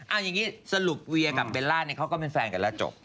เอาอย่างนี้สรุปเวียกับเบลล่าเนี่ยเขาก็เป็นแฟนกันแล้วจบ